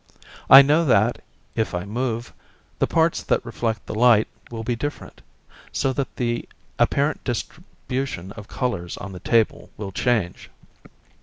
I know that, if I move, the parts that reflect the light will be different, so that the apparent distribution of colours on the table will change.